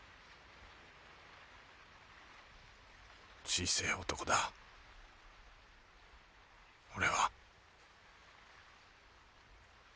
小せえ男だ俺は。